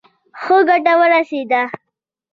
ښه ګټه ورسېده.